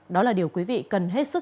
đó là điều quý vị cần hết sức